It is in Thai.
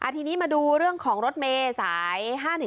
ทีนี้มาดูเรื่องของรถเมย์สาย๕๑